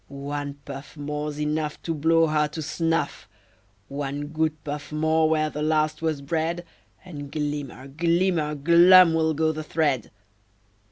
"One puff More's enough To blow her to snuff! One good puff more where the last was bred, And glimmer, glimmer, glum will go the thread!"